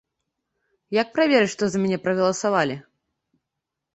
Як праверыць, што за мяне прагаласавалі?